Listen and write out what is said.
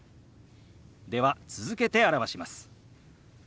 では続けて表します。